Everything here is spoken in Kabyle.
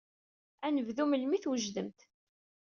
Ad neddu melmi ay t-wejdemt.